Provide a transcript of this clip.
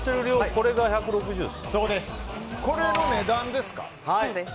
これの値段ですか。